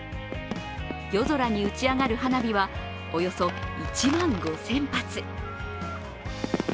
夜空に打ち上がる花火はおよそ１万５０００発。